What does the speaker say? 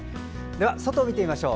外を見てみましょう。